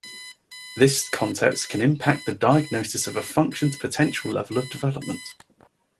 This context can impact the diagnosis of a function's potential level of development.